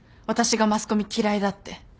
私がマスコミ嫌いだって。